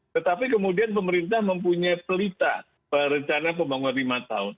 tetapi kemudian pemerintah mempunyai pelita rencana pembangunan lima tahun